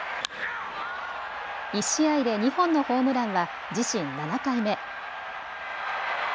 １試合で２本のホームランは、自身７回目。